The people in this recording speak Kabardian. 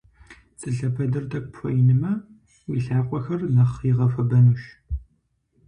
Цы лъэпэдыр тӏэкӏу пхуэинмэ, уи лъакъуэхэр нэхъ игъэхуэбэнущ.